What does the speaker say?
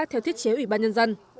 theo thiết chế ủy ban nhân dân